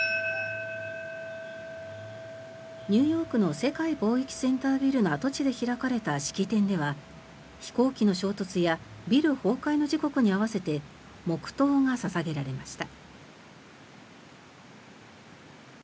ニューヨークの世界貿易センタービルの跡地で開かれた式典では飛行機の衝突やビル崩壊の時刻に合わせて黙祷が捧げられました。